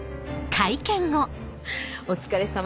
お疲れさま。